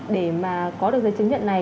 để mà có được giấy chứng nhận này